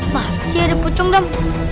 masa sih ada pocong adam